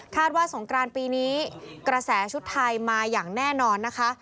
ว่าสงกรานปีนี้กระแสชุดไทยมาอย่างแน่นอนนะคะ